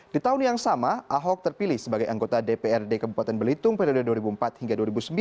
di tahun yang sama ahok terpilih sebagai anggota dprd kabupaten belitung periode dua ribu empat hingga dua ribu sembilan